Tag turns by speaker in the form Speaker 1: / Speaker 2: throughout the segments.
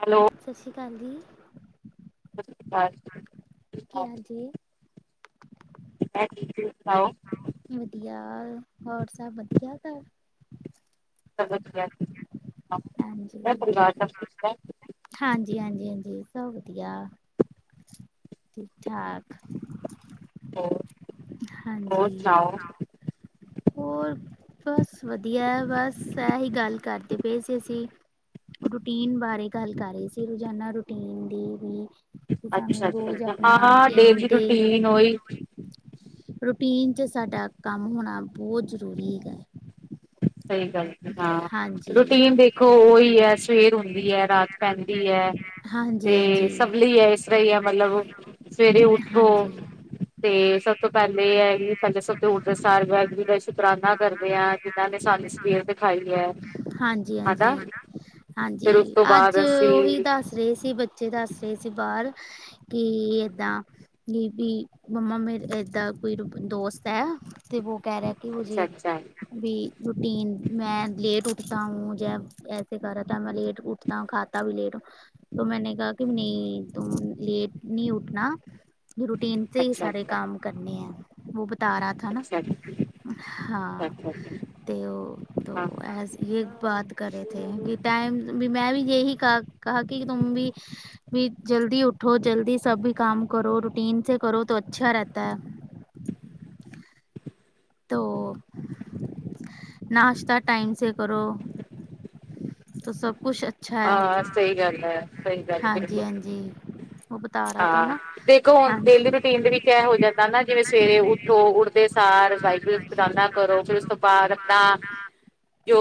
Speaker 1: Hello.
Speaker 2: ਸਤਿ ਸ਼੍ਰੀ ਅਕਾਲ ਜੀ।
Speaker 1: ਸਤਿ, ਸ਼੍ਰੀਅਕਾਲ ਜੀ।
Speaker 2: ਕੀ ਹਾਲ ਜੀ?
Speaker 1: ਮੈਂ, ਠੀਕ ਤੁਸੀ ਸੁਣਾਓ?
Speaker 2: ਵਧੀਆ, ਹੋਰ, ਸਭ ਵਧੀਆ ਘਰ?
Speaker 1: ਗ
Speaker 2: ਹਾਂਜੀ
Speaker 1: [unintelligible]
Speaker 2: ਹਾਂਜੀ -ਹਾਂਜੀ- ਹਾਂਜੀ, ਸਭ ਵਧੀਆ ਠੀਕ -ਠਾਕ।
Speaker 1: ਹੋਰ ਹੋਰ
Speaker 2: ਹਾਂਜੀ।
Speaker 1: ਸੁਣਾਓ
Speaker 2: ਹੋਰ ਬਸ, ਵਧੀਆ ਬਸ, ਐਹੀ ਗੱਲ ਕਰਦੇ ਪਏ ਸੀ, ਅਸੀਂ ਰੂਟੀਨ ਬਾਰੇ, ਗੱਲ ਕਰ ਰਹੇ ਸੀ, ਰੋਜ਼ਾਨਾ ਰੂਟੀਨ ਦੀ ਵੀ ਕਿ ਸਾਨੂੰ
Speaker 1: ਅੱਛਾ,
Speaker 2: ਰੋਜ਼ ਆਪਣਾ
Speaker 1: ਹਾਂ,
Speaker 2: ਰੂਟੀਨ
Speaker 1: ਡੇਲੀ
Speaker 2: ਤੇ
Speaker 1: ਰੂਟੀਨ ਉਹੀ
Speaker 2: ਰੂਟੀਨ 'ਚ, ਸਾਡਾ ਕੰਮ ਹੋਣਾ, ਬਹੁਤ ਜ਼ਰੂਰੀ ਹੈਗਾ।
Speaker 1: ਸਹੀ ਗੱਲ ਸੀ, ਹਾਂ,
Speaker 2: ਹਾਂਜੀ
Speaker 1: ਰੂਟੀਨ ਦੇ। ਉਹੀ ਹੈ, ਸਵੇਰ ਹੁੰਦੀ ਹੈ, ਰਾਤ ਪੈਂਦੀ ਹੈ,
Speaker 2: ਹਾਂਜੀ
Speaker 1: ਤੇ
Speaker 2: ਹਾਂਜੀ
Speaker 1: ਸਵਲੀ ਹੈ, ਇਸ ਸਹੀ ਹੈ, ਆ ਮਤਲਬ ਸਵੇਰੇ ਉੱਠੋ।
Speaker 2: ਹਾਂਜੀ
Speaker 1: ਤੇ ਸਭ ਤੋਂ, ਪਹਿਲੇ ਹੈ, ਇਹ ਵੀ ਸਭ ਤੋਂ ਉਠਦੇ ਸਾਰ, ਵਾਹਿਗੁਰੂ ਦਾ ਸ਼ੁਕਰਾਨਾ ਕਰਦੇ ਆ ਤੇ। ਇਹਨੇ ਸਾਨੂੰ ਸਵੇਰ ਦਿਖਾਈ ਹੈ।
Speaker 2: ਹਾਂਜੀ- ਹਾਂਜੀ
Speaker 1: ਹਨਾ ਫਿਰ ਉਸ
Speaker 2: -ਹਾਂਜੀ,
Speaker 1: ਤੋਂ
Speaker 2: ਅੱਜ
Speaker 1: ਬਾਅਦ ਅਸੀਂ
Speaker 2: ਉਹੀ ਦੱਸ ਗਏ ਸੀ, ਬੱਚੇ ਦੱਸ ਰਹੇ ਸੀ, ਬਾਹਰ ਕਿ ਏਦਾਂ। ਜ ਵੀ ਮੰਮਾ, ਮੇਰੇ ਏਦਾਂ ਕੋਈ ਦੋਸਤ ਹੈ, ਤੇ ਵ। ਕਹਿ ਰਿਹਾ, ਕਿ
Speaker 1: ਅੱਛਾ
Speaker 2: ਹੇ,
Speaker 1: ਅੱਛਾ
Speaker 2: ਵੀ ਰੂਟੀਨ ਮੈਂ ਲੇਟ ਮੂਝੇ ਐਸੇ ਕਹਿ ਰਹਾ ਥਾ, ਮੈਂ ਲੇਟ ਉਠਤਾ ਹੂੰ ਲੇਟ ਖਾਤਾ ਹੂੰ। ਤੋਂ, ਮੈਂਨੇ ਕਿਹਾ, ਕਿ ਨਹੀਂ, ਤੁਮ ਲੇਟ ਨਹੀਂ ਉੱਠਣਾ। ਰੂਟੀਨ ਸੇ, ਹੀ,
Speaker 1: ਅੱਛਾ
Speaker 2: ਸਾਰੇ
Speaker 1: ਅੱਛਾ
Speaker 2: ਕਾਮ ਕਰਨੇ ਹੈ। ਤਾਰਾ, ਥਾਨਾ,
Speaker 1: ਅੱਛਾ ਅੱਛਾ
Speaker 2: ਹਾਂ,
Speaker 1: ਅੱਛਾ
Speaker 2: ਤੇ ਉਹ।
Speaker 1: ਹਾਂ
Speaker 2: ਇਹ, ਬਾਤ ਕਰ ਰਹੇ ਥੇ, ਮੈ ਵੀ ਯੇਹੀ ਕਹਾ ਕਿ, ਤੁਮ ਭੀ ਵੀ ਜਲਦੀ ਉੱਠੋ, ਜਲਦੀ ਸਭ ਕੰਮ ਕਰੋ, ਰੂਟੀਨ ਸੇ ਕਰੋ, ਤਾਂ ਅੱਛਾ ਰਹਿਤਾ ਹੈ।
Speaker 1: ਹਨ
Speaker 2: ਨਾਸ਼ਤਾ ਟਾਈਮ ਸੇ ਕਰੋ, ਤੋਂ ਸਭ ਕੁਛ ਅੱਛਾ। ਅੱਛਾ
Speaker 1: ਹਾਂ
Speaker 2: ਹੈ,
Speaker 1: ਸਹੀ ਗੱਲ ਹੈ ਸਹੀ ਗੱਲ ਹੈ,
Speaker 2: ਹਾਂਜੀ-
Speaker 1: ਬਿਲਕੁਲ
Speaker 2: ਹਾਂਜੀ। ਉਹ, ਬਤਾਰਾ ਥਾ,
Speaker 1: ਹਾਂ
Speaker 2: ਨਾ,
Speaker 1: ਦੇਖੋ ਹੁਣ ਡੇਲੀ
Speaker 2: ਹਾਂਜੀ।
Speaker 1: ਰੂਟੀਨ, ਦੇ ਵਿੱਚ ਇਹ ਹੋ ਜਾਂਦਾ ਨਾ, ਜਿਵੇਂ ਸਵੇਰੇ ਉੱਠੋ, ਉੱਠ ਉੱਠਦੇ ਸਾਰ, ਵਾਹਿਗੁਰੂ ਸ਼ੁਕਰਾਨਾ ਕਰੋ, ਫਿਰ ਉਸ ਤੋਂ ਬਾਦ ਆਪਣਾ ਜੋ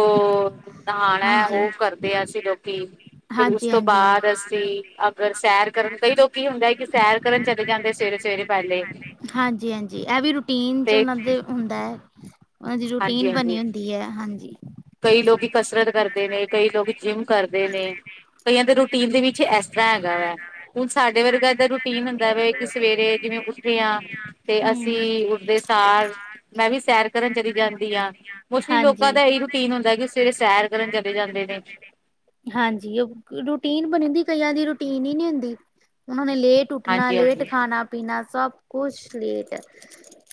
Speaker 1: ਨਹਾਣਾ ਹੈ,
Speaker 2: ਹਾਂਜੀ
Speaker 1: ਉਹ ਕਰਦੇ ਹੈ, ਅਸੀਂ ਲੋਕੀ ਫਿਰ ਉਸ
Speaker 2: ਹਾਂਜੀ ਹਾਂਜੀ
Speaker 1: ਤੋਂ ਬਾਅਦ ਅੱਸੀ, ਆਪ। ਸੈਰ, ਕਰਨ ਕਈ ਲੋਕੀ ਹੁੰਦੇ ਹੈ, ਕਿ ਸੈਰ ਕਰਨ ਚਲੇ ਜਾਂਦੇ, ਸਵੇਰੇ- ਸਵੇਰੇ ਪਹਿਲੇ।
Speaker 2: ਹਾਂਜੀ -ਹਾਂਜੀ। ਹਾਂਜੀ, ਇਹ ਵੀ, ਰੂਟੀਨ 'ਚ
Speaker 1: ਤੇ
Speaker 2: ਉਹਨਾਂ ਦੇ ਹੁੰਦਾ ਹੈ, ਉਹਨਾਂ ਦੀ ਰੂਟੀਨ
Speaker 1: ਹਾਂਜੀ
Speaker 2: ਬਣੀ
Speaker 1: ਹਾਂਜੀ
Speaker 2: ਹੁੰਦੀ ਹੈ ਹਾਂਜੀ।
Speaker 1: ਕਈ ਲੋਕੀ ਕਸਰਤ ਕਰਦੇ ਨੇ, ਕਈ ਲੋਕੀ ਜਿੰਮ ਕਰਦੇ ਨੇ, ਕਈਆਂ ਦੇ ਰੂਟੀਨ ਦੇ ਵਿੱਚ ਕੁਛ ਏਸ ਤਰ੍ਹਾਂ ਹੈਗਾ ਵੈ, ਹੁਣ ਸਾਡੇ ਵਰਗਾ ਦਾ ਰੂਟੀਨ ਹੁੰਦਾ ਵੇ ਕਿ ਸਵੇਰੇ ਜਿਵੇਂ ਉੱਠੇ ਆ ਤੇ
Speaker 2: ਹਮ
Speaker 1: ਅਸੀਂ ਉੱਡਦੇ ਸਾਰ ਮੈਂ ਵੀ ਸੈਰ ਕਰਨ ਚਲੀ ਜਾਂਦੀ ਹਾਂ, ਮੋਸਟਲੀ ਲੋਕਾਂ
Speaker 2: ਹਾਂਜੀ
Speaker 1: ਦਾ ਏਇ ਜਿਦਾ ਕਿ ਸਵੇਰੇ ਸੈਰ ਕਰਨ ਚਲੇ ਜਾਂਦੇ ਨੇ।
Speaker 2: ਹਾਂਜੀ, ਉਹ ਰੂਟੀਨ ਬਨਿਦੀ ਕਈਆਂ ਦੀ ਰੂਟੀਨ ਈ ਨੀ ਹੁੰਦੀ, ਉਹਨਾ ਨੇ ਲੇਟ ਲੇਟ ਉੱਠਣਾ ਲੇਟ
Speaker 1: ਹਾਂਜੀ-ਹਾਂਜੀ,
Speaker 2: ਖਾਣਾ ਪੀਣਾ ਸਭ ਕੁਛ ਲੇਟ।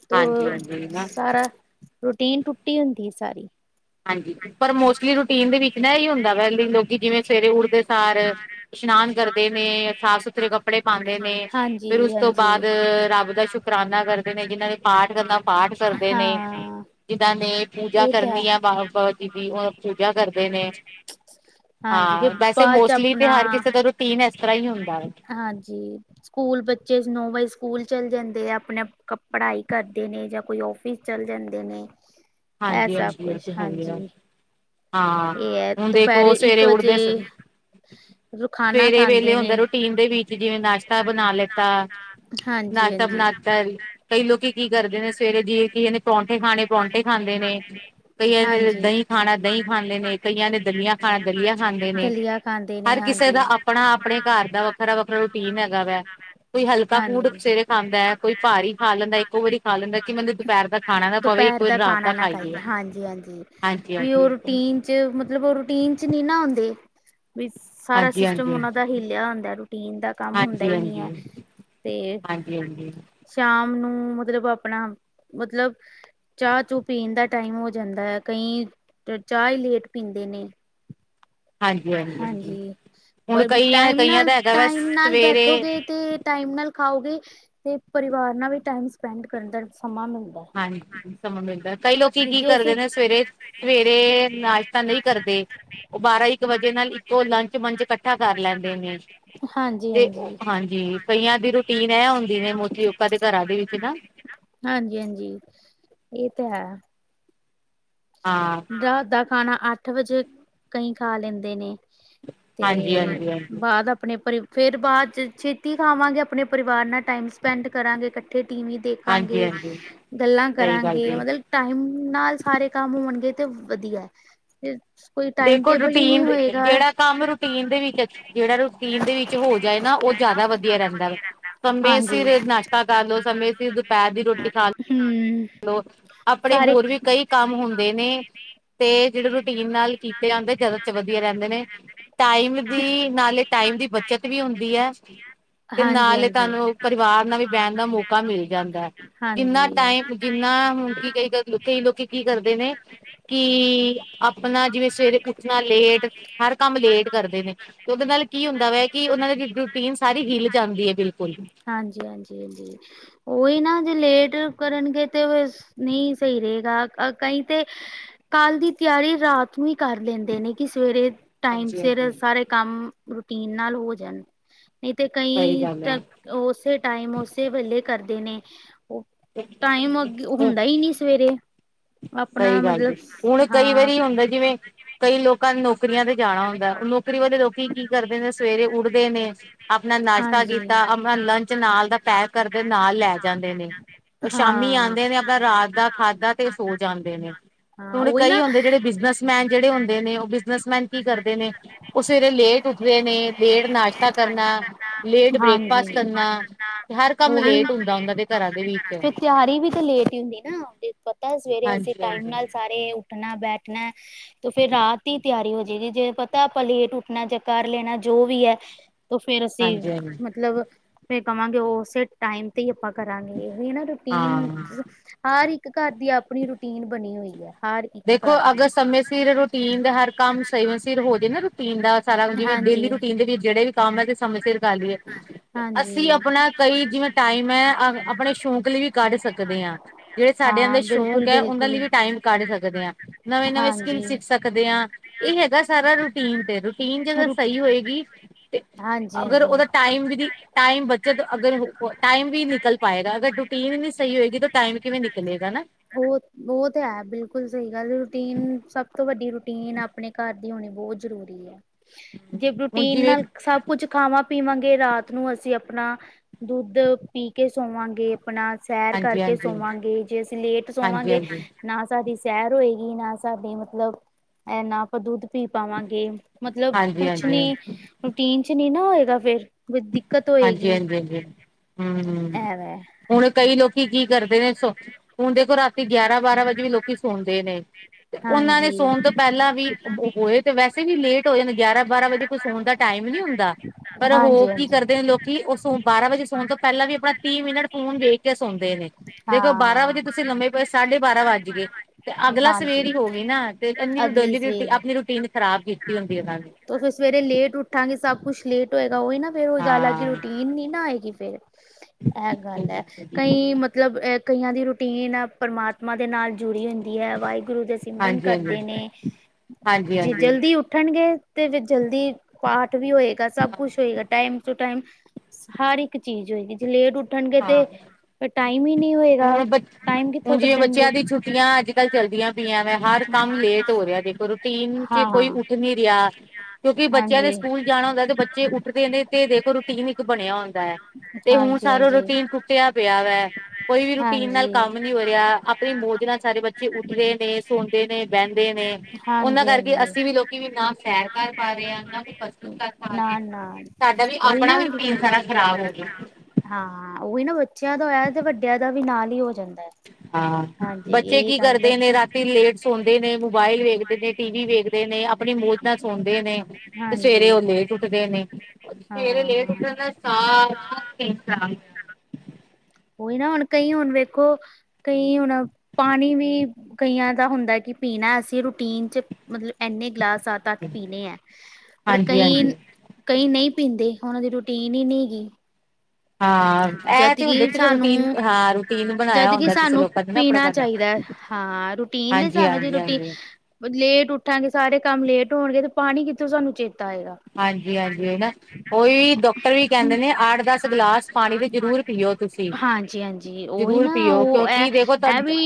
Speaker 2: ਤੋ
Speaker 1: ਹਾਂਜੀ-ਹਾਂਜੀ ਨਾ
Speaker 2: ਸਾਰਾ ਰੂਟੀਨ ਟੁੱਟੀ ਹੁੰਦੀ ਸਾਰੀ।
Speaker 1: ਹਾਂਜੀ ਪਰ ਮੋਸ ਮੋਸਟਲੀ ਰੂਟੀਨ ਦੇ ਵਿੱਚ ਨਾ ਏਹੀ ਹੁੰਦਾ ਵੈ, ਲੋਕੀ ਜਿਵੇਂ ਸਵੇਰੇ ਉੱਠਦੇ ਸਾਰ ਇਸ਼ਨਾਨ ਕਰਦੇ ਨੇ, ਸਾਫ਼ ਸੁਥ ਦੂਸਰੇ ਕੱਪੜੇ ਪਾਂਦੇ ਨੇ
Speaker 2: ਹਾਂਜੀ
Speaker 1: ਫੇਰ ਉਸ ਤੋਂ
Speaker 2: ਹਾਂਜੀ
Speaker 1: ਬਾਅਦ ਰੱਬ ਦਾ ਸ਼ੁਕਰਾਨਾ ਕਰਦੇ ਨੇ ਜਿਹਨਾਂ ਨੇ ਪਾਠ ਕਰਨਾ ਪਾਠ ਕਰਦੇ ਨੇ।
Speaker 2: ਹਾਂ
Speaker 1: ਜਿਨਾਂ ਨੇ ਪੂਜਾ
Speaker 2: ਇਹ ਤਾਂ ਹੈ
Speaker 1: ਕਰਨੀ ਆ ਬਹਾ ਬਾਬਾ ਜੀ ਦੀ ਉਹ ਪੂਜਾ ਕਰਦੇ ਨੇ।
Speaker 2: ਹਾਂਜੀ ਫਿਰ
Speaker 1: ਹਾਂ ਵੈਸੇ
Speaker 2: ਬਾਅਦ ਚ
Speaker 1: ਮੋਸਟਲੀ ਤੇ
Speaker 2: ਆਪਣਾ
Speaker 1: ਹਰ ਕਿਸੇ ਦਾ ਰੂਟੀਨ ਇਸ ਤਰ੍ਹਾਂ ਹੀ ਹੁੰਦੈ।
Speaker 2: ਹਾਂਜੀ। ਸਕੂਲ ਬੱਚੇ ਨੌ ਵਜੇ ਸਕੂਲ ਚਲ ਜਾਂਦੇ ਆ, ਆਪਣੇ ਪੜ੍ਹਾਈ ਕਰਦੇ ਨੇ, ਜਾਂ ਕੋਈ ਆਫਿਸ ਚਲ ਜਾਂਦੇ ਨੇ। ਇਹ
Speaker 1: ਹਾਂਜੀ
Speaker 2: ਸਭ
Speaker 1: ਹਾਂਜੀ ਉਹ
Speaker 2: ਕੁਛ
Speaker 1: ਤੇ ਹੈਗੇ ਆ।
Speaker 2: ਹਾਂਜੀ
Speaker 1: ਹਾਂ
Speaker 2: ਇਹ ਹੈ
Speaker 1: ਹੁਣ ਦੇਖੋ
Speaker 2: ਦੁਪਹਿਰੇ ਇੱਕ
Speaker 1: ਸਵੇਰੇ ਉੱਠਦੇ ਸ
Speaker 2: ਵਜੇ ਖਾਣਾ
Speaker 1: ਸਵੇਰੇ ਵੇਲੇ
Speaker 2: ਖਾਂਦੇ
Speaker 1: ਹੁੰਦਾ
Speaker 2: ਨੇ
Speaker 1: ਰੂਟੀਨ ਦੇ ਵਿੱਚ ਜਿਵੇਂ ਨਾਸ਼ਤਾ ਬਣਾ ਲਿੱਤਾ।
Speaker 2: ਹਾਂਜੀ
Speaker 1: ਨਾਸ਼ਤਾ
Speaker 2: ਹਾਂਜੀ
Speaker 1: ਬਣਾਤਾ, ਕਈ ਲੋਕੀ ਕੀ ਕਰਦੇ ਨੇ ਸਵੇਰੇ ਜੀਹਨੇ ਪਰੌਂਠੇ ਖਾਣੇ ਪਰੌਂਠੇ ਖਾਂਦੇ ਨੇ ਕਈਆਂ ਨੇ
Speaker 2: ਹਾਂਜੀ
Speaker 1: ਦਈ ਖਾਣਾ ਦਈ ਖਾਂਦੇ ਨੇ, ਕਈਆਂ ਨੇ ਦਲੀਆਂ ਖਾਣਾ ਦਲੀਆ ਖਾਂਦੇ ਨੇ
Speaker 2: ਦਲੀਆ ਖਾਂਦੇ ਨੇ
Speaker 1: ਹਰ ਕਿਸੇ ਦਾ
Speaker 2: ਹਾਂਜੀ
Speaker 1: ਆਪਣਾ ਆਪਣੇ ਘਾਰ ਦਾ ਵੱਖਰਾ ਵੱਖਰਾ ਰੂਟੀਨ ਹੈਗਾ ਵੈ ਕੋਈ ਹਲਕਾ ਫੂਡ
Speaker 2: ਹਾਂਜੀ
Speaker 1: ਸਵੇਰੇ ਖਾਂਦਾ ਐ, ਕੋਈ ਭਾਰੀ ਖਾ ਲੈਂਦਾ, ਇੱਕੋ ਵਾਰੀ ਖਾ ਲੈਂਦਾ ਕਿ ਮੈਨੂੰ ਦੁਪਹਿਰ ਦਾ ਖਾਣਾ ਨਾ ਪਵੇ ਇੱਕ
Speaker 2: ਦੁਪਹਿਰ
Speaker 1: ਵਾਰੀ
Speaker 2: ਦਾ
Speaker 1: ਰਾਤ
Speaker 2: ਖਾਣਾ ਨਾ ਖਾਈਏ ਹਾਂਜੀ ਹਾਂਜੀ
Speaker 1: ਹਾਂਜੀ
Speaker 2: ਵੀ
Speaker 1: ਹਾਂਜੀ
Speaker 2: ਉਹ
Speaker 1: ਹਾਂਜੀ
Speaker 2: ਰੂਟੀਨ ਚ ਮਤਲਬ ੳ ਰੂਟੀਨ ਚ ਨੀ ਨਾ ਹੂੰਦੇ ਵੀ ਸਾਰਾ
Speaker 1: ਹਾਂਜੀ
Speaker 2: ਸਿਸਟਮ
Speaker 1: ਹਾਂਜੀ
Speaker 2: ਉਨਾਂ ਦਾ ਹੀਲਿਆ ਹੁੰਦੈ, ਰੂਟੀਨ ਦਾ ਕੰਮ ਹੁੰਦਾ
Speaker 1: ਹਾਂਜੀ
Speaker 2: ਈ ਨੀ
Speaker 1: ਹਾਂਜੀ
Speaker 2: ਏ
Speaker 1: ਹਾਂਜੀ, ਹਾਂਜੀ।
Speaker 2: ਸ਼ਾਮ ਨੂੰ ਮਤਲਬ ਆਪਣਾ ਮਤਲਬ ਚਾਹ ਚੂ ਪੀਣ ਦਾ ਟਾਈਮ ਹੋ ਜਾਂਦਾ ੲੈ, ਚਾਹ ਈ ਲੇਟ ਪੀਂਦੇ ਨੇ ਹਾਂਜੀ
Speaker 1: ਹੁਣ
Speaker 2: ਪਰ ਵੀ
Speaker 1: ਕਈਆਂ
Speaker 2: ਟਾਈਮ
Speaker 1: ਕਈਆਂ
Speaker 2: ਨਾਲ
Speaker 1: ਦਾ ਹੈਗਾ ਵੈ
Speaker 2: ਟਾਈਮ ਨਾਲ
Speaker 1: ਸਵੇਰੇ
Speaker 2: ਬੈਠੋਗੇ ਤੇ ਟਾਈਮ ਨਾਲ ਖਾਓਗੇ ਤੇ, ਪਰਿਵਾਰ ਨਾਲ ਵੀ ਟਾਈਮ ਸਪੈਂਡ ਕਰਨ ਦਾ ਸਮਾਂ ਮਿਲ
Speaker 1: ਹਾਂਜੀ ਸਾਨੂੰ ਮਿਲਦਾ, ਕਈ ਲੋਕੀ ਕੀ
Speaker 2: ਜੇ ਅਸੀਂ
Speaker 1: ਕਰਦੇ ਨੇ ਸਵੇਰੇ ਸਵੇਰੇ ਨਾਸ਼ਤਾ ਨਹੀਂ ਕਰਦੇ ਉਹ ਬਾਰਾਂ ਇੱਕ ਵਜੇ ਨਾਲ ਇੱਕੋ ਲੰਚ ਮੰਚ ਕੱਠਾ ਕਰ ਲੈਂਦੇ ਨੇ ਤੇ ਹਾਂਜੀ ਕਈਆਂ ਦੀ ਰੂਟੀਨ ਐ ਹੁੰਦੀ ਨੇ ਮੋਸਟਲੀ ਲੋਕਾਂ ਦੇ ਘਰਾਂ ਦੇ ਵਿੱਚ ਨਾ
Speaker 2: ਹਾਂਜੀ ਹਾਂਜੀ ਏ ਤੇ ਹੈ
Speaker 1: ਹਾਂ
Speaker 2: ਰਾਤ ਦਾ ਖਾਣਾ ਅੱਠ ਵਜੇ ਕਈ ਖਾ ਲੈਂਦੇ ਨੇ
Speaker 1: ਹਾਂਜੀ
Speaker 2: ਤੇ,
Speaker 1: ਹਾਂਜੀ ਹਾਂਜੀ
Speaker 2: ਬਾਦ ਅਪ ਆਪਣੇ ਪਰਿ ਫੇਰ ਬਾਅ ਚ ਛੇਤੀ ਖਾਵਾਂਗੇ ਆਪਣੇ ਪਰਿਵਾਰ ਨਾਲ ਟਾਈਮ ਸਪੈਂਡ ਕਰਾਂਗੇ, ਕੱਠੇ ਟੀ ਵੀ ਦੇਖ
Speaker 1: ਹਾਂਜੀ
Speaker 2: ਖਾਗੇ,
Speaker 1: ਹਾਂਜੀ
Speaker 2: ਗੱਲਾਂ
Speaker 1: ਸਹੀ ਗੱਲ
Speaker 2: ਕਰਾਂਗੇ
Speaker 1: ਜੀ
Speaker 2: ਮਤਲਬ ਟਾਈਮ ਨਾਲ ਸਾਰੇ ਕੰਮ ਹੋਣਗੇ ਤੇ ਵਧੀਆ ਏ
Speaker 1: ਦੇਖੋ ਰੂਟੀਨ ਜਿਹੜਾ ਕੰਮ ਰੂਟੀਨ ਦੇ ਵਿੱਚ ਅ ਜਿਹੜਾ ਰੂਟੀਨ ਦੇ ਵਿੱਚ ਚੇ ਹੋ ਜਾਏ ਨਾ ਓਹ ਜੈਦਾ ਵਧੀਆ ਰੈੰਦਾ ਵੇ, ਸਮੇਂ ਸਿਰ
Speaker 2: ਹਾਂਜੀ
Speaker 1: ਨਾਸ਼ਤਾ ਕਰ ਲੋ ਸਮੇਂ ਫਿਰ ਦੁਪੈਰ ਦੀ ਰੋਟੀ ਖਾ
Speaker 2: ਹੂੰ
Speaker 1: ਲੋ। ਅਪਣੇ
Speaker 2: ਸਾਰੇ
Speaker 1: ਹੋਰ ਵੀ ਕਈ ਕੰਮ ਹੁੰਦੇ ਨੇ ਤੇ ਜੇੜੇ ਰੂਟੀਨ ਨਾਲ ਕੀਤੇ ਜਾਂਦੇ ਜਾਦਾ ਚ ਵਧੀਆ ਰੈੰਦੇ ਨੇ। ਟਾਈਮ ਦੀ ਨਾਲੇ ਟਾਈਮ ਦੀ ਬੱਚਤ ਵੀ ਹੁੰਦੀ ਐ। ਤੇ ਨਾਲ ਏ
Speaker 2: ਹਾਂਜੀ-ਹਾਂਜੀ। ਹਾਂਜੀ,
Speaker 1: ਤਾਨੂੰ ਪਰਿਵਾਰ ਨਾਲ ਵੀ ਬੈਣ ਦਾ ਮੌਕਾ ਮਿਲ ਜਾਂਦੈ। ਕਿੰਨਾ
Speaker 2: ਹਾਂਜੀ-ਹਾਂਜੀ, ਹਾਂਜੀ।
Speaker 1: ਟਾਈਮ ਜਿੰਨਾ ਹੁਣ ਕੀ ਕਈ ਕ ਕਈ ਲੋਕੀ ਕੀ ਕਰਦੇ ਨੇ ਕਿ ਆਪਣਾ ਜਿਵੇਂ ਤੇ ਪੁੱਛਣਾ ਲੇਟ ਹਰ ਕੰਮ ਲੇਟ ਕਰਦੇ ਨੇ। ਤੇ ਓਦੇ ਨਾਲ ਕੀ ਹੁੰਦਾ ਵੈ ਕਿ ਉਹਨਾਂ ਦੀ ਰੂਟੀਨ ਸਾਰੀ ਹਿੱਲ ਜਾਂਦੀ ਏ ਬਿਲਕੁਲ
Speaker 2: ਹਾਂਜੀ ਹਾਂਜੀ, ਹਾਂਜੀ ਓਈ ਨਾ ਜੇ ਲੇਟ ਕਰਨਗੇ ਤੇ ਵੇਸ ਨੀਂ ਸਈ ਰਏਗਾ। ਕਈ ਤੇ ਕੱਲ ਦੀ ਤਿਆਰੀ ਰਾਤ ਤਵੀ ਕਰ ਲੈਂਦੇ ਨੇ ਕਿ ਸਵੇਰੇ ਟਾਈਮ
Speaker 1: ਹਾਂਜੀ
Speaker 2: ਸਿਰ
Speaker 1: ਹਾਂਜੀ
Speaker 2: ਸਾਰੇ ਕੰਮ ਰੁਟੀਨ ਨਾਲ ਹੋ ਜਾਣ। ਨਈਂ ਤੇ
Speaker 1: ਸਹੀ
Speaker 2: ਕਈ
Speaker 1: ਗੱਲ
Speaker 2: ਟ ਓਸੇ ਟਾਈਮ ਓਸੇ ਵੇਲੇ ਕਰਦੇ ਨੇ। ਓ, ਟਾਈਮ ਅੱਗੇ ਹੁੰਦਾ ਈ ਨੀ ਸਵੇਰੇ। ਆਪਣਾ
Speaker 1: ਸਈ ਗੱਲ ਜੀ,
Speaker 2: ਮਤਲਬ
Speaker 1: ਹੁਣ ਕਈ
Speaker 2: ਹਾਂ
Speaker 1: ਵਾਰੀ ਹੁੰਦੈ ਜਿਵੇਂ ਕਈ ਲੋਕਾਂ ਨੇ ਨੌਕਰੀਆਂ ਤੇ ਜਾਣੈ ਹੁੰਦੈ, ਨੌਕਰੀ ਵਾਲੇ ਲੋਕੀ ਕੀ ਕਰਦੇ ਨੇ ਸਵੇਰੇ ਉੱਠਦੇ ਨੇ ਆਪਣਾ ਨਾਸ਼ਤਾ ਕੀਤਾ, ਆਪਣਾ ਲੰਚ ਨਾਲ ਦਾ ਪੈਕ ਕਰਦੇ ਨਾਲ ਲੈ ਜਾਂਦੇ ਨੇ। ਓਹ ਸ਼ਾਮੀ ਆਂਦੇ ਨੇ ਆਪਣਾ ਰਾਤ ਦਾ ਖਾੱਧਾ ਤੇ ਸੋ ਜਾਂਦੇ ਨੇ।
Speaker 2: ਹਾਂ
Speaker 1: ਹੁਣ
Speaker 2: ਉਹੀ ਨਾ
Speaker 1: ਕਈ ਹੁੰਦੇ ਜੇੜੇ ਬਿਜਨਸਮੈਨ ਜੇੜੇ ਹੁੰਦੇ ਨੇ, ਓਹ ਬਿਜਨਸਮੈਨ ਕੀ ਕਰਦੇ ਨੇ ਓਹ ਸਵੇਰੇ ਲੇਟ ਉੱਠਦੇ ਨੇ, ਲੇਟ ਨਾਸ਼ਤਾ ਕਰਨਾ, ਲੇਟ ਬ੍ਰੇਕਫਾਸਟ ਕਰਨਾ ਹਰ ਕੰਮ
Speaker 2: ਓਹੀ
Speaker 1: ਲੇਟ ਹੁੰਦਾ ਉਹਨਾਂ ਦੇ ਘਰਾਂ ਦੇ ਵਿੱਚ
Speaker 2: ਤੇ ਤਿਆਰੀ ਵੀ ਤੇ ਲੇਟ ਈ ਹੁੰਦੀ ਨਾ ਓੰਦੇ ਪਤੈ ਸਵੇਰੇ ਅਸੀਂ
Speaker 1: ਹਾਂਜੀ
Speaker 2: ਟਾਈਮ
Speaker 1: ਹਾਂਜੀ
Speaker 2: ਨਾਲ ਸਾਰੇ ਉੱਠਣਾ ਬੈਠਣੈ ਤੇ ਫੇਰ ਰਾਤ ਈ ਤਿਆਰੀ ਹੋ ਜੇਗੀ, ਜੇ ਪਤੈ ਅਪਾ ਲੇਟ ਉੱਠਣੈ ਜਾਂ ਕਰ ਲੈਣਾ ਜੋ ਵੀ ਐ ਤੋਂ ਫੇਰ ਅਸੀਂ
Speaker 1: ਹਾਂਜੀ ਹਾਂਜੀ
Speaker 2: ਮਤਲਬ ਫੇ ਕਵਾਂਗੇ ਓ ਸਿਟ ਟਾਈਮ ਤੇ ਈ ਅਪਾਂ ਕਰਾਂਗੇ, ਏਹੋ ਈ ਨਾ
Speaker 1: ਹਾਂ
Speaker 2: ਰੂਟੀਨ ਹਰ ਇੱਕ ਘਰ ਦੀ ਆਪਣੀ ਰੂਟੀਨ ਬਣੀ ਹੋਈ ਐ।
Speaker 1: ਦੇਖੋ ਅਗਰ ਸਮੇਂ ਸਿਰ ਰੂਟੀਨ ਦਾ ਹਰ ਕੰਮ ਸਈਮੇਂ ਸਿਰ ਹੋ ਜੇ ਨਾ ਰੂਟੀਨ ਦਾ ਸਾਰਾ ਜਿਵੇਂ ਡੇਲੀ
Speaker 2: ਹਾਂਜੀ
Speaker 1: ਰੂਟੀਨ ਦੇ ਵਿੱਚ ਜੇੜੇ ਵੀ ਕੰਮ ਐ ਤੇ ਸਮੇਂ ਸਿਰ ਕਾਰ ਲੀਏ। ਅਸੀਂ
Speaker 2: ਹਾਂਜੀ
Speaker 1: ਅਪਣਾ ਕਈ ਜਿਵੇਂ ਟਾਈਮ ਐ ਆਪਣੇ ਸ਼ੌ ਕ ਲੀ ਵੀ ਕੱਢ ਸਕਦੇ ਆ, ਜੇੜੇ ਸਾਡੇ
Speaker 2: ਹਾਂ
Speaker 1: ਅੰਦਰ
Speaker 2: ਬਿਲਕੁਲ
Speaker 1: ਸ਼ੌਕ ਐ ਓਨਾ
Speaker 2: ਬਿਲਕੁਲ
Speaker 1: ਲਈ ਵੀ ਟਾਈਮ ਕੱਢ ਸਕ ਗਦੇਆ, ਨਵੇਂ-ਨਵੇਂ ਸਕਿੱਲ
Speaker 2: ਹਾਂਜੀ
Speaker 1: ਸਿੱਖ ਸਕਦੇ ਆਂ। ਇਹ ਹੈਗਾ ਸਾਰਾ ਰੂਟੀਨ ਤੇ ਰੂਟੀਨ ਜਦੋਂ
Speaker 2: ਰੂਟੀ
Speaker 1: ਸਈ ਹੋਏਗੀ ਤੇ
Speaker 2: ਹਾਂਜੀ
Speaker 1: ਅਗਰ
Speaker 2: ਹਾਂਜੀ
Speaker 1: ਓਦਾ ਟਾਈਮ ਵੀ ਦੀ ਟਾਈਮ ਬੱਚਤ ਅਗਰ ਹੋ ਟਾਈਮ ਵੀ ਨਿਕਲ ਪਾਏਗਾ ਅਗਰ ਰੂਟੀਨ ਨੀ ਸਈ ਹੋਏਗੀ ਟਾਈਮ ਕਿਵੇਂ ਨਿਕਲੇਗਾ ਨਾ।
Speaker 2: ਬਹੋਤ ਬੋ ਤੇ ਹੈ, ਬਿਲਕੁੱਲ ਸਹੀ ਗੱਲ ਏ। ਰੂਟੀਨ ਸਭ ਤੋਂ ਵੱਡੀ ਰੂਟੀਨ ਆਪਣੇ ਘਰ ਦੀ ਹੋਣੀ ਬੋਤ ਜ਼ਰੂ ਰੀ ਐ ਜੇ
Speaker 1: ਹੁਣ
Speaker 2: ਰੂਟੀਨ
Speaker 1: ਜਿਵੇਂ
Speaker 2: ਨਾਲ ਸਭ ਕੁੱਝ ਖਾਵਾਂ-ਪੀਵਾਂਗੇ ਰਾਤ ਨੂੰ ਅਸੀਂ ਅਪਣਾ ਦੁੱਧ ਪੀ ਕੇ ਸੋਵਾਂਗੇ। ਅਪਣਾ ਸੈਰ
Speaker 1: ਹਾਂਜੀ
Speaker 2: ਕਰਕੇ
Speaker 1: ਹਾਂਜੀ
Speaker 2: ਸੋਵਾਂਗੇ ਜੇ ਅਸੀਂ ਲੇਟ
Speaker 1: ਹਾਂਜੀ
Speaker 2: ਸੋਵਾਂਗੇ
Speaker 1: ਹਾਂਜੀ
Speaker 2: ਨਾ ਸਾਦੀ ਸੈਰ ਹੋਏਗੀ ਨਾ ਸਾਦੇ ਮਤਲਬ ਐ ਨਾ ਆਪਾਂ ਦੁੱਧ ਪੀ ਪਾਵਾਂਗੇ। ਮਤਲਬ
Speaker 1: ਹਾਂਜੀ ਹਾਂਜੀ
Speaker 2: ਕੁੱਛ ਨੀ ਰੂਟੀਨ ਚ ਨੀ ਨਾ ਹੋਏਗਾ ਫੇਰ। ਵਈ ਦਿੱਕਤ
Speaker 1: ਹਾਂਜੀ
Speaker 2: ਹੋਏਗੀ,
Speaker 1: ਹਾਂਜੀ ਹਾਂਜੀ ਹਮ
Speaker 2: ਐ ਵੈ।
Speaker 1: ਹੁਣ ਕਈ ਲੋਕੀ ਕੀ ਕਰਦੇ ਨੇ ਸੋ ਹੁਣ ਦੇਖੋ ਰਾਤੀ ਗਿਆਰਾਂ-ਬਾਰਾਂ ਵਜੇ ਵੀ ਲੋਕੀ ਸੋੰਦੇ ਨੇ। ਤੇ ਓਨਾਂ ਨੇ
Speaker 2: ਹਾਂਜੀ
Speaker 1: ਸੌਣ ਤੋਂ ਪੈਲਾਂ ਵੀ ਹੋਏ ਤੇ ਵੈਸੇ ਵੀ ਲੇਟ ਹੋਏ ਨੇ ਗਿਆਰਾਂ-ਬਾਰਾਂ ਵਜੇ ਉਥੇ ਸੋਣ ਦਾ ਟਾਈਮ ਨੀ ਹੁੰਦਾ ਪਰ ਹੋ
Speaker 2: ਹਾਂਜੀ
Speaker 1: ਕੀ
Speaker 2: ਹਾਂਜੀ
Speaker 1: ਕਰਦੇ ਨੇ ਲੋਕੀ ਓ ਸੋ ਬਾਰਾਂ ਵਜੇ ਸੌਣ ਤੋਂ ਪੈਲਾ ਵੀ ਆਪਣਾ ਤੀਹ ਮਿੰਨਟ ਫੋਨ ਵੇਖ ਕੇ ਸੌਂਦੇ ਨੇ। ਦੇਖੋ
Speaker 2: ਹਾਂ।
Speaker 1: ਬਾਰਾਂ ਵਜੇ ਤੁਸੀਂ ਲੰਮੇ ਪਏ ਸਾਢੇ ਬਾਰਾਂ ਵੱਜ ਗੇ। ਤੇ ਅਗਲਾ ਸਵੇਰ
Speaker 2: ਹਾਂਜੀ
Speaker 1: ਈ ਹੋਗੀ ਨਾ 'ਤੇ ਏਨੀ ਰ
Speaker 2: ਅਗਲੀ
Speaker 1: ਡੇਲੀ ਰੂਟੀ
Speaker 2: ਸਵੇਰ
Speaker 1: ਆਪਣੀ ਰੂਟੀਨ ਖ਼ਰਾਬ ਕੀਤੀ ਹੁੰਦੀ ਏਨਾਂ ਨੇ।
Speaker 2: ਤੋ ਫੇਰ ਸਵੇਰੇ ਲੇਟ ਉੱਠਾਂਗੇ ਸਭ ਕੁੱਛ ਲੇਟ ਹੋਏਗਾ ਉਈ ਨਾ ਫਿਰ ਉਈ ਗੱਲ ਆ ਕੀ
Speaker 1: ਹਾਂ
Speaker 2: ਰੂਟੀਨ ਨੀ ਨਾ ਹੋਏਗੀ ਫੇਰ। ਐ ਗੱਲ
Speaker 1: ਹਾਂਜੀ
Speaker 2: ਐ
Speaker 1: ਹਾਂਜੀ
Speaker 2: ਕਈ ਮਤਲਬ ਅ ਕਈਆਂ ਦੀ ਰੂਟੀਨ ਐ ਪ੍ਰਮਾ ਤਮਾ ਦੇ ਨਾਲ ਜੁੜੀ ਹੁੰਦੀ ਐ ਵਾਏਗੁਰੂ ਦੇ ਸਿਮਰਨ ਕਰਦੇ ਨੇ।
Speaker 1: ਹਾਂਜੀ
Speaker 2: ਜੇ
Speaker 1: ਹਾਂਜੀ
Speaker 2: ਜਲਦੀ ਉੱਠਣਗੇ ਤੇ ਜਲਦੀ ਪਾਠ ਵੀ ਹੋਏਗਾ ਸਭ ਕੁੱਛ ਹੋਏਗਾ ਟਾਈਮ ਟੂ ਟਾਈਮ, ਹਰ ਇੱਕ ਚੀਜ਼ ਹੋਏਗੀ ਜੇ ਲੇਟ ਉੱਠਣਗੇ 'ਤੇ
Speaker 1: ਹਾਂ
Speaker 2: ਫੇ ਟਾਈਮ ਈ ਨੀ ਹੋਏਗਾ
Speaker 1: ਹੁਣ ਬ
Speaker 2: ਟਾਈਮ ਕਿੱਥ
Speaker 1: ਹੁਣ ਜਿਵੇਂ ਬੱਚਿਆਂ ਦੀ ਛੁੱਟੀਆਂ ਅੱਜ-ਕੱਲ ਚੱਲਦੀਆਂ ਪਈਆਂ ਵੇ ਹਰ ਕੰਮ ਲੇਟ ਹੋ ਰਿਹਾ ਦੇਖੋ ਟੀਨ ਚ
Speaker 2: ਹਾਂ
Speaker 1: ਕੋਈ ਉੱਠ ਨੀ ਰਿਆ। ਕਿਉਂਕਿ ਬੱਚਿਆਂ ਦੇ
Speaker 2: ਹਾਂਜੀ
Speaker 1: ਸਕੂਲ ਜਾਣਾ ਹੁੰਦਾ ਤੇ ਬੱਚੇ ਉੱਠਦੇ ਨੇ ਤੇ ਦੇਖੋ ਰੂਟੀਨ ਬਣਿਆ ਹੁੰਦਾ ਐ ਤੇ ਹੁਣ
Speaker 2: ਹਾਂਜੀ
Speaker 1: ਸਾਰੋਂ ਰੋ
Speaker 2: ਹਾਂਜੀ
Speaker 1: ਰੂਟੀਨ ਟੁੱਟਿਆ ਪਿਆ ਵੈ ਕੋਈ ਵੀ ਰੂਟੀਨ ਨਾਲ
Speaker 2: ਹਾਂਜੀ
Speaker 1: ਕੰਮ ਨੀ ਹੋ ਰਿਆ ਆਪਣੀ ਮੌਜ ਨਾਲ ਸਾਰੇ ਬੱ 'ਚ ਉੱਠਦੇ ਨੇ, ਸੌਦੇ ਨੇ, ਬੈਂਦੇ ਨੇ ਉਨਾਂ
Speaker 2: ਹਾਂਜੀ
Speaker 1: ਕਰਕੇ ਅਸੀਂ ਵੀ
Speaker 2: ਹਾਂਜੀ
Speaker 1: ਲੋਕੀ ਵੀ ਨਾ ਸੈਰ ਕਰ ਪਾ ਰੇ ਆ, ਨਾ ਕੋਈ ਕਸਰਤ ਕਰ ਪਾ ਰੇ
Speaker 2: ਨਾ ਨਾ
Speaker 1: ਸਾਡਾ ਵੀ
Speaker 2: ਉਹੀ ਨਾ
Speaker 1: ਆਪਣਾ ਵੀ ਪੀਣ ਸਾਰਾ ਖ਼ਰਾਬ ਹੋ ਗਿਆ।
Speaker 2: ਹਾਂ ਉਹੀ ਨਾ ਬੱਚਿਆਂ ਦੋ ਐ ਤੇ ਵੱਡਿਆਂ ਦਾ ਵੀ ਨਾਲ ਈ ਹੋ ਜਾਂਦਾ ਐ।
Speaker 1: ਹਾਂ ਬੱਚੇ ਕੀ ਕਰਦੇ ਨੇ ਰਾਤੀ ਲੇਟ ਸੌਦੇ ਨੇ, ਮੋਬਾਇਲ ਵੇਖਦੇ ਨੇ ਟੀ ਵੀ ਵੇਖਦੇ ਨੇ ਆਪਣੀ ਮੌਤ ਨਾਲ ਸੋਂਦੇ ਨੇ 'ਤੇ ਸਵੇਰੇ
Speaker 2: ਹਾਂਜੀ
Speaker 1: ਓ ਲੇਟ ਉੱਠਦੇ ਨੇ। ਸਵੇਰੇ ਲੇਟ
Speaker 2: ਹਾਂ
Speaker 1: ਉੱਠਣ ਨਾਲ ਸਾਰਾ [inaudible]
Speaker 2: ਉਹੀ ਨਾ ਹੁਣ ਕਈ ਹੁਣ ਵੇਖੋ ਕਈ ਹੁਣ ਪਾਣੀ ਵੀ ਕਈਆਂ ਦਾ ਹੁੰਦਾ ਐ ਕਿ ਪੀਣਾ ਅਸੀਂ ਰੂਟੀਨ 'ਚ ਮਤਲਬ ਐਨੇ ਗਲਾਸ ਆ ਤੱਕ ਪੀਣੇ ਐ ਪਰ
Speaker 1: ਹਾਂਜੀ
Speaker 2: ਕਈ,
Speaker 1: ਹਾਂਜੀ
Speaker 2: ਕਈ ਨਈ ਪੀਂਦੇ ਹੋਨਾ ਦੀ ਰੂਟੀਨ ਈ ਨੀ ਗੀ।
Speaker 1: ਹਾਂ
Speaker 2: ਜਦ
Speaker 1: ਇਹ ਤੇ ਹੁੰਦੇ
Speaker 2: ਕੀ
Speaker 1: ਚਲੋ ਰੂਟੀਨ
Speaker 2: ਸਾਨੂੰ,
Speaker 1: ਹਾਂ ਰੂਟੀਨ ਬਣਾਇਆ
Speaker 2: ਜਦ ਕੀ
Speaker 1: ਹੁੰਦਾ ਕਿਸੇ
Speaker 2: ਸਾਨੂੰ
Speaker 1: ਲੋਕਾਂ ਨੇ ਨਾ ਆਪਣਾ
Speaker 2: ਪੀਣਾ
Speaker 1: ਸਾਡਾ
Speaker 2: ਚਾਈਦਾ ਐ। ਹਾਂ ਰੂਟੀਨ ਦੇ
Speaker 1: ਹਾਂਜੀ
Speaker 2: ਹਿਸਾਬ ਨਾਲ ਜੇ
Speaker 1: ਹਾਂਜੀ
Speaker 2: ਰੂਟੀ
Speaker 1: ਹਾਂਜੀ
Speaker 2: ਲੇਟ ਉੱਠਾਂਗੇ ਸਾਰੇ ਕੰਮ ਲੇਟ ਹੋਣਗੇ ਤੇ ਪਾਣੀ ਕਿੱਥੋਂ ਸਾਨੂੰ ਚੇ
Speaker 1: ਹਾਂਜੀ-ਹਾਂਜੀ ਨਾ ਓਈ ਡੋਕਟਰ ਵੀ ਕੈਂਦੇ ਦੇ ਨੇ ਆਠ-ਦਸ ਗਲਾਸ ਪਾਣੀ ਦੇ ਜਰੂਰ ਪੀਓ ਤੁਸੀਂ,
Speaker 2: ਹਾਂਜੀ-ਹਾਂਜੀ ਉਹੀ
Speaker 1: ਜ਼ਰੂਰ
Speaker 2: ਨਾ
Speaker 1: ਪੀਓ
Speaker 2: ਉਹ
Speaker 1: ਕਿਉਂਕਿ ਦੇਖੋ
Speaker 2: ਇਹ ਵੀ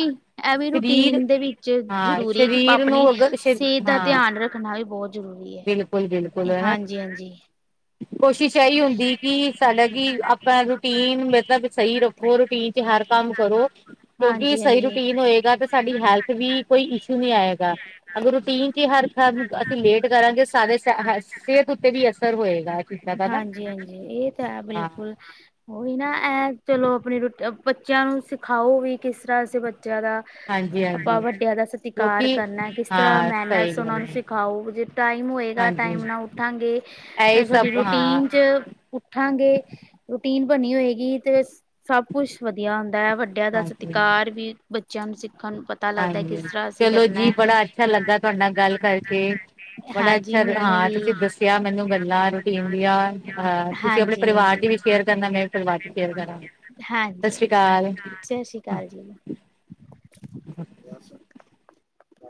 Speaker 2: ਐ ਇਹ ਵੀ
Speaker 1: ਸਰੀਰ
Speaker 2: ਰੂਟੀਨ ਦੇ ਵਿੱਚ
Speaker 1: ਹਾਂ
Speaker 2: ਜ਼ਰੂਰੀ ਐ ਕੀ ਪਾ
Speaker 1: ਸਰੀਰ
Speaker 2: ਆਪਣੀ
Speaker 1: ਨੂੰ ਅਗਰ
Speaker 2: ਸੇ ਦਾ ਧਿਆਨ ਰੱਖਣਾ ਵੀ ਬੋ ਜ਼ਰੂਰੀ ਐ।
Speaker 1: ਬਿਲਕੁੱਲ ਬਿਲ
Speaker 2: ਹਾਂਜੀ-ਹਾਂਜੀ।
Speaker 1: ਕੋਸ਼ਿਸ਼ ਐਈ ਹੁੰਦੀ ਕਿ ਸਾਡਾ ਕੀ ਆਪਾ ਰੂਟੀਨ ਮਤਲਬ ਸਈ ਰੱ ਹੋਰ ਰੂਟੀਨ 'ਚ ਹਰ ਕੰਮ ਕਰੋ ਕਿਉਂਕਿ ਸਈ
Speaker 2: ਹਾਂਜੀ-ਹਾਂਜੀ,
Speaker 1: ਰੂਟੀਨ ਹੋਏਗਾ ਤੇ ਸਾਡੀ ਹੈਲਥ ਵੀ ਕੋਈ ਇਸ਼ੂ ਨੀ ਆਏਗਾ। ਅਗਰ ਰੂਟੀਨ 'ਚ ਈ ਹਰ ਅਸੀਂ ਲੇਟ ਕਰਾਂਗੇ ਸਾਰੇ ਸਿਹਤ ਉੱਤੇ ਵੀ ਅਸਰ ਹੋਏਗਾ ਜੀ।
Speaker 2: ਹਾਂਜੀ-ਹਾਂਜੀ, ਏ ਤਾਂ ਹੈ ਬਿਲਕੁੱਲ। ਉਹੀ ਨਾ ਐ ਚਲੋ ਆਪਣੀ ਰੂਟ ਬੱਚਿਆਂ ਨੂੰ ਸਿਖਾਓ ਵੀ ਕਿਸ ਤਰ੍ਹਾਂ ਅਸੀ ਬੱਚਿਆਂ ਦਾ
Speaker 1: ਹਾਂਜੀ
Speaker 2: ਆਪਾਂ
Speaker 1: ਹਾਂਜੀ
Speaker 2: ਵੱਡਿਆਂ ਦਾ ਸਤਿਕਾਰ
Speaker 1: ਕਿਉਂਕਿ
Speaker 2: ਕਰਨਾ ਕਿਸ ਤਰ੍ਹਾਂ
Speaker 1: ਹਾਂ ਸਹੀ
Speaker 2: ਮੈਨਰਸ ਉਨਾ
Speaker 1: ਗੱਲ
Speaker 2: ਨੂੰ
Speaker 1: ਹੈ
Speaker 2: ਸਿਖਾਓ ਜੇ ਟਾਈਮ ਹੋਏਗਾ
Speaker 1: ਹਾਂਜੀ
Speaker 2: ਟਾਈਮ ਨਾਲ ਉੱਠਾਂਗੇ
Speaker 1: ਇਹੀ
Speaker 2: ਫੇਰ ਸਾਡੀ
Speaker 1: ਸਭ ਹਾਂ
Speaker 2: ਰੂਟੀਨ 'ਚ ਉੱਠਾਂਗੇ, ਰੂਟੀਨ ਬਣੀ ਹੋਏਗੀ 'ਤੇ ਸਭ ਕੁਛ ਵਧੀਆ ਹੁੰਦਾ ਐ ਵੱ ਵੱਡਿਆਂ ਦਾ
Speaker 1: ਹਾਂਜੀ
Speaker 2: ਸਤਿਕਾਰ ਵੀ ਬੱਚਿਆਂ ਨੂੰ ਸਿੱਖਣ ਨੂੰ ਪ
Speaker 1: ਹਾਂਜੀ, ਚਲੋ ਜੀ ਬੜਾ ਅੱਛਾ ਲੱਗਾ ਤੁਹਾਡੇ ਨਾਲ ਗੱਲ ਕਰਕੇ। ਬੜਾ
Speaker 2: ਹਾਂਜੀ
Speaker 1: ਅੱਛਾ
Speaker 2: ਮੈਨੂੰ
Speaker 1: ਹਾਂ
Speaker 2: ਵੀ
Speaker 1: ਤੁਸੀਂ ਦੱਸਿਆ ਮੈਨੂੰ ਗੱਲਾਂ [unintelligible] ਆ ਤੁਸੀਂ ਆਪਣੇ
Speaker 2: ਹਾਂਜੀ
Speaker 1: ਪਰਿਵਾਰ ਚ ਵੀ
Speaker 2: ਹਾਂਜੀ
Speaker 1: ਸ਼ੇਅਰ ਕਰਨਾ ਮੈਂ ਪਰਿਵਾਰ ਚ ਸ਼ੇਅਰ ਕਰਾਂਗੀ। ਸਸ ਸ੍ਰੀ ਅਕਾਲ।
Speaker 2: ਕਾਲ ਜੀ।
Speaker 1: [inaudible]